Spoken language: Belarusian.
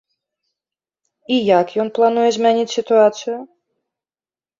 І як ён плануе змяніць сітуацыю?